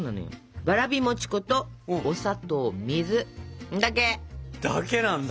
わらび餅粉とお砂糖水だけ！だけなんだ。